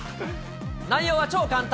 内容は超簡単。